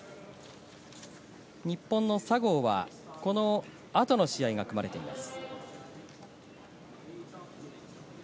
日本の佐合はこの後の試合が組まれています。